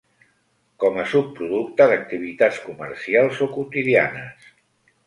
Com a subproducte d'activitats comercials o quotidianes.